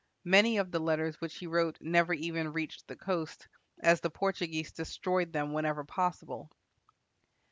Many of the letters which he wrote never even reached the coast, as the Portuguese destroyed them whenever possible.